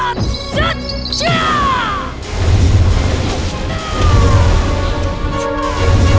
kami akan mencari raden pemalarasa